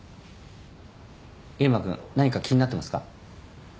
入間君何か気になってますか？